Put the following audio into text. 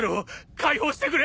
解放してくれ！